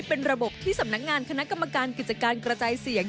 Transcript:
เป็นระบบที่สำนักงานคณะกรรมการกิจการกระจายเสียง